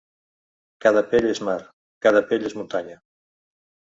Cada pell és mar, cada pell és muntanya.